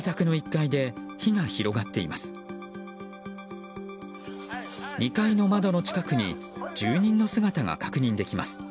２階の窓の近くに住人の姿が確認できます。